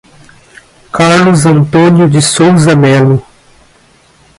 Carlos Antônio de Souza Melo